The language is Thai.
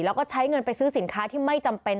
แล้วก็ใช้เงินไปซื้อสินค้าที่ไม่จำเป็น